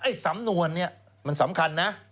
สำนวนเนี่ยมันสำคัญนะ